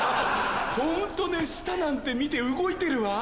ホントね舌なんて見て動いてるわ。